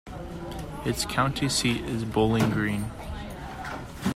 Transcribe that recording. Its county seat is Bowling Green.